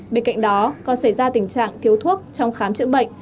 bên cạnh đó còn xảy ra tình trạng thiếu thuốc trong khám chữa bệnh